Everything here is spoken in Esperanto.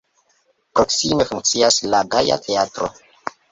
Proksime funkcias la Gaja Teatro.